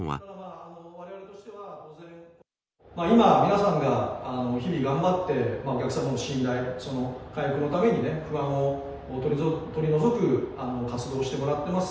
今、皆さんが日々頑張って、お客様の信頼回復のためにね、不安を取り除く活動をしてもらってます。